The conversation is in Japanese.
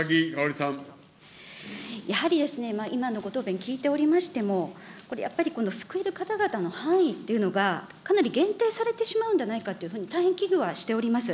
やはりですね、今のご答弁聞いておりましても、これやっぱり、救える方々の範囲っていうのが、かなり限定されてしまうんではないかというふうに大変危惧はしております。